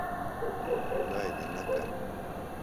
خدائیۡ دی نکہ۔